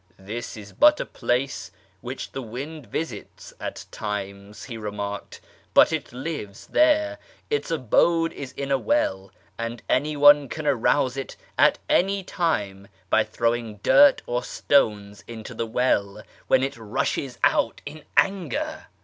" This is but a ]ilace which the wind visits at times," he remarked, " but it lives there : its abode is in a well, and anyone can arouse it at any time by throwing dirt or stones into the well, when it rushes out in anger."